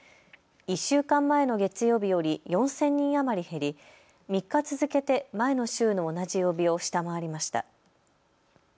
１週間前の月曜日より４０００人余り減り３日続けて前の週の同じ曜日を下回りました。